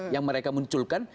yang mereka munculkan